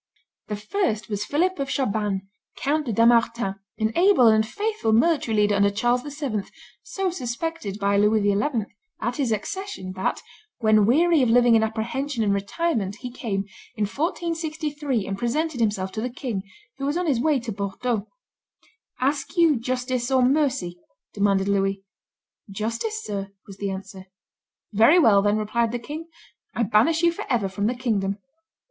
The first was Philip of Chabannes, Count de Dampmartin, an able and faithful military leader under Charles VII., so suspected by Louis XI. at his accession, that, when weary of living in apprehension and retirement he came, in 1463, and presented himself to the king, who was on his way to Bordeaux, "Ask you justice or mercy?" demanded Louis. "Justice, sir," was the answer. "Very well, then," replied the king, "I banish you forever from the kingdom."